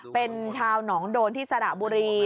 เป็นชาวหนองโดนที่สระบุรี